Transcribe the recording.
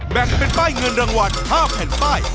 แบ่งเป็นป้ายเงินรางวัล๕แผ่นป้าย